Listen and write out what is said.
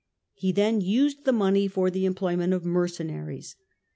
He then used the money for the employment of mercenaries.